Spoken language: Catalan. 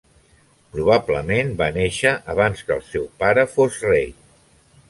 Probablement va néixer abans que el seu pare fos rei.